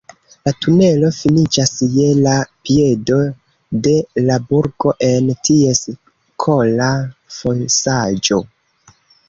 La tunelo finiĝas je la piedo de la burgo, en ties kola fosaĵo.